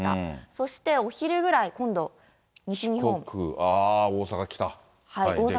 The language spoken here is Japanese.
そしてお昼ぐらい、四国、あー、大阪来た。